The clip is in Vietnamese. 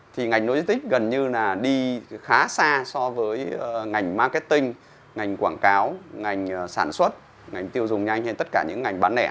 thì ngành logistics gần như là đi khá xa so với ngành marketing ngành quảng cáo ngành sản xuất ngành tiêu dùng nhanh trên tất cả những ngành bán lẻ